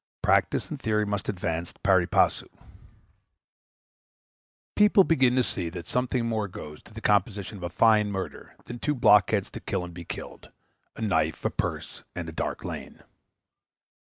Practice and theory must advance pari passu. People begin to see that something more goes to the composition of a fine murder than two blockheads to kill and be killed a knife a purse and a dark lane.